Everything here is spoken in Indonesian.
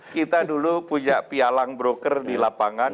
kita dulu punya pialang broker di lapangan